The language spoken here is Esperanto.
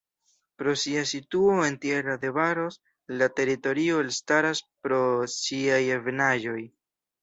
Pro sia situo en Tierra de Barros la teritorio elstaras pro siaj ebenaĵoj.